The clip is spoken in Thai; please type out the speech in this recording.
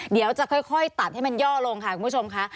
เดี๋ยวจะค่อยตัดให้มันย่อลงค่ะคุณผู้ชมค่ะ